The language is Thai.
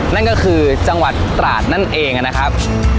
นั่นก็คือจังหวัดตราดนั่นเองนะครับ